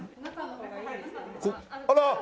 あら！